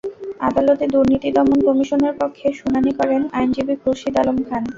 আদালতে দুর্নীতি দমন কমিশনের পক্ষে শুনানি করেন আইনজীবী খুরশীদ আলম খান।